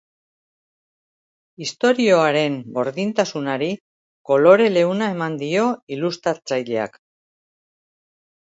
Istorioaren gordintasunari kolore leuna eman dio ilustratzaileak.